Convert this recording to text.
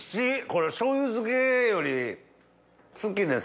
これしょうゆ漬けより好きです。